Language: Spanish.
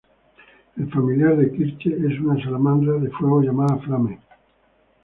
El Familiar de Kirche es una Salamandra de fuego llamada Flame.